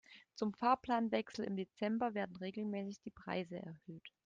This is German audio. Zum Fahrplanwechsel im Dezember werden regelmäßig die Preise erhöht.